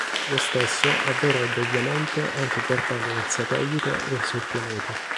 Lo stesso avverrebbe ovviamente anche guardando dal satellite verso il pianeta.